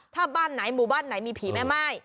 ถ้าบ้านไหนหมู่บ้านไหนมีผีแม่ม่าย